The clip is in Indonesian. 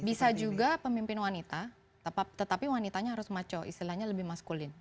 bisa juga pemimpin wanita tetapi wanitanya harus maco istilahnya lebih maskulin